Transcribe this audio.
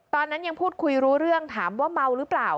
ตอนนั้นยังพูดคุยรู้เรื่องถามว่าเมาหรือเปล่า